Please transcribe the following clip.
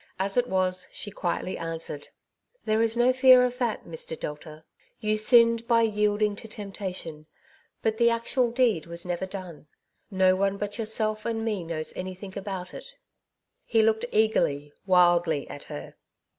As it was, she quietly answered, —^' There is no fear of that, Mr. Delta. Ton sinned by yielding to temptation, but the actual deed was never done. No one but yourself and me knows anything about it." He looked eagerly, wildly at her.